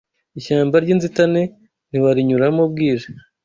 Ishyamba ry’inzitane ntiwarinyuramo bwije